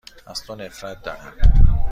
از تو نفرت دارم.